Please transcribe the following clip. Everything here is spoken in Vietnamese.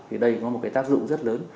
thì đây có một tác dụng rất lớn